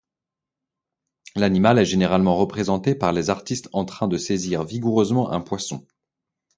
L'animal est généralement représenté par les artistes en train de saisir vigoureusement un poisson.